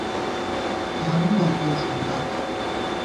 تانُو باتِیہ ݭُنڈاتہ